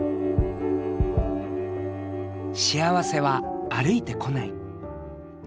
幸せは歩いてこない。